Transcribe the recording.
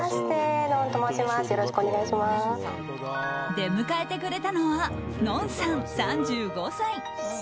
出迎えてくれたのはＮＯＮさん、３５歳。